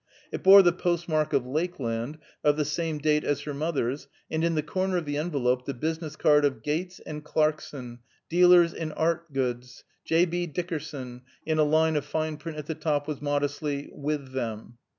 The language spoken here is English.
It bore the postmark of Lakeland, of the same date as her mother's, and in the corner of the envelope the business card of Gates & Clarkson, Dealers in Art Goods; J. B. Dickerson, in a line of fine print at the top was modestly "with" them.